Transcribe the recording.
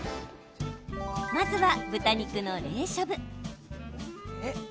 まずは、豚肉の冷しゃぶ。